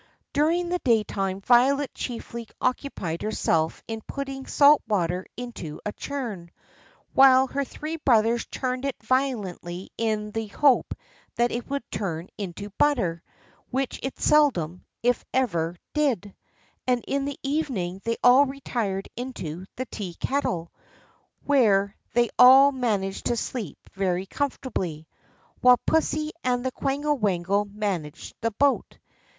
During the daytime Violet chiefly occupied herself in putting salt water into a churn, while her three brothers churned it violently in the hope that it would turn into butter, which it seldom, if ever, did; and in the evening they all retired into the tea kettle, where they all managed to sleep very comfortably, while pussy and the quangle wangle managed the boat.